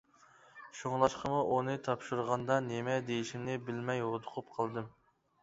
شۇڭلاشقىمۇ ئۇنى تاپشۇرغاندا نېمە دېيىشىمنى بىلمەي، ھودۇقۇپ قالدىم.